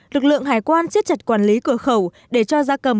lực lượng hải quan siết chặt quản lý cửa khẩu để cho gia cầm